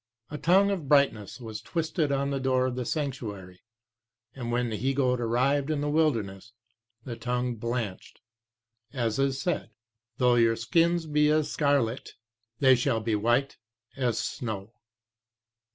a tongue of brightness was twisted on the door of the Sanctuary, and when the he goat arrived p. 132 in the wilderness the tongue blanched, as is said, "Though your sins be as scarlet, they shall be white as snow."